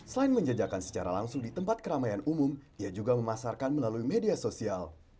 selain menjajakan secara langsung di tempat keramaian umum ia juga memasarkan melalui media sosial